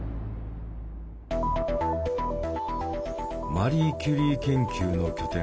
マリー・キュリー研究の拠点